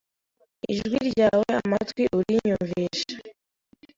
ijwi ryawe amatwi Urinyumvishe